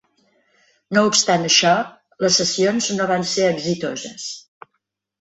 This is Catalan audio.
No obstant això, les sessions no van ser exitoses.